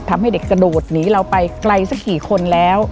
ทำให้เด็กกระโดดหนีเราไปไกลสักกี่คนแล้ว